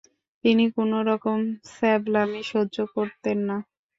তিনি কোনো রকম ছ্যাবলামি সহ্য করতেন না।